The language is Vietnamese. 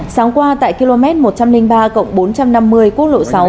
sáng qua tại km một trăm linh ba bốn trăm năm mươi quốc lộ sáu